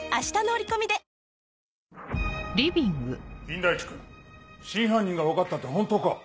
金田一君真犯人が分かったって本当か？